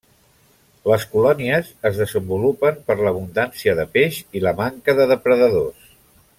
Les colònies es desenvolupen per l'abundància de peix i la manca de depredadors.